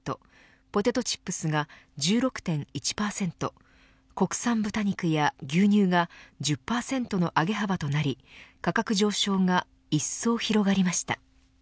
ポテトチップスが１６．１％国産豚肉や牛乳が１０％の上げ幅となり価格上昇がいっそう広がりました。